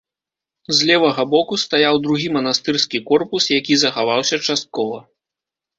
З левага боку стаяў другі манастырскі корпус, які захаваўся часткова.